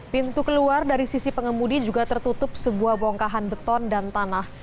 pintu keluar dari sisi pengemudi juga tertutup sebuah bongkahan beton dan tanah